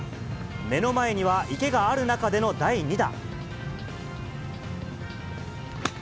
目の前には池がある中での第２打。